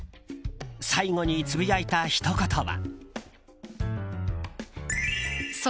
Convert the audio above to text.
最後につぶやいたひと言は。